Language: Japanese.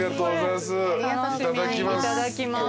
いただきます